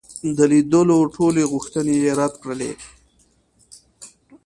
د لیدلو ټولي غوښتني یې رد کړې.